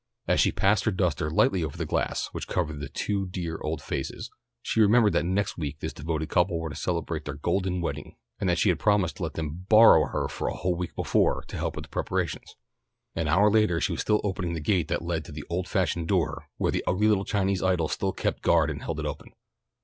As she passed her duster lightly over the glass which covered the two dear old faces, she remembered that next week this devoted couple were to celebrate their golden wedding, and that she had promised to let them "borrow" her for a whole week before, to help with the preparations. An hour later she was opening the gate that led to the old fashioned door where the ugly little Chinese idol still kept guard and held it open.